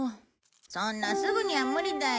そんなすぐには無理だよ。